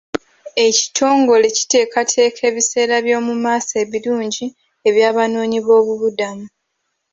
Ekitongole kiteekateeka ebiseera by'omu maaso ebirungi eby'abanoonyiboobubudamu.